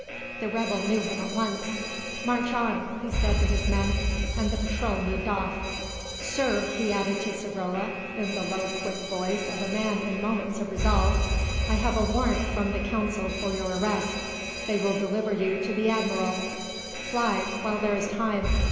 The rebel knew him at once. "March on," he said to his men, and the patrol moved off. "Sir," he added to Savrola, in the low, quick voice of a man in moments of resolve, "I have a warrant from the Council for your arrest. They will deliver you to the Admiral. Fly, while there is time.